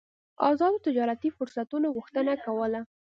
ازادو تجارتي فرصتونو غوښتنه کوله.